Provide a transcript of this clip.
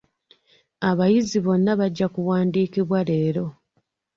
Abayizi bonna bajja kuwandiikibwa leero.